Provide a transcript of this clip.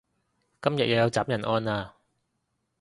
今日又有斬人案喇